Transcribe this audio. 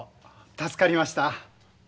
助かりました。